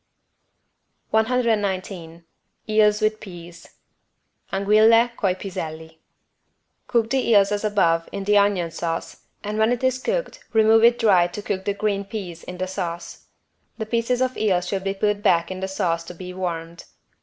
119 EELS WITH PEAS (Anguille coi piselli) Cook the eels as above with the onion sauce and when it is cooked remove it dry to cook the green peas in the sauce. The pieces of eel should be put back in the sauce to be warmed.